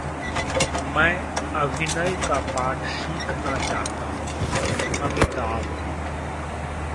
मैं अभिनय का पाठ सीखना चाहता हूंः अमिताभ